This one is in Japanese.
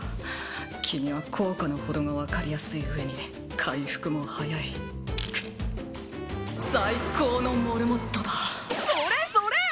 君は効果のほどが分かりやすい上に回復も早い最高のモルモットだそれそれ！